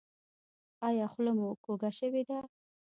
ایا خوله مو کوږه شوې ده؟